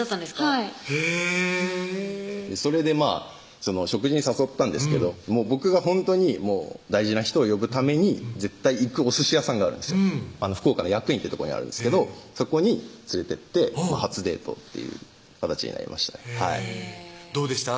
はいへぇそれで食事に誘ったんですけど僕がほんとに大事な人を呼ぶために絶対行くおすし屋さんがあるんですよ福岡の薬院ってとこにあるんですけどそこに連れてって初デートっていう形になりましたどうでした？